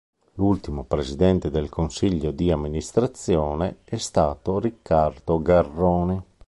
L'ultimo Presidente del Consiglio di Amministrazione è stato Riccardo Garrone.